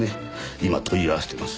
今問い合わせてます。